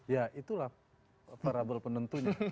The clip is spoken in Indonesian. ya itulah variable penentunya